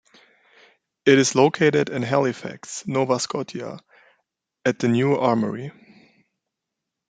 It is located in Halifax, Nova Scotia, at the new Armoury.